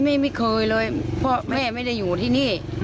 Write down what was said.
ไม่เคยเลยเพราะแม่ไม่ได้อยู่ที่นี่